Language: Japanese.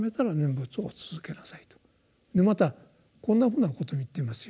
またこんなふうなことを言っていますよ。